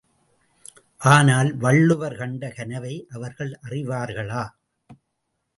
ஆனால் வள்ளுவர் கண்ட கனவை அவர்கள் அறிவார்களா?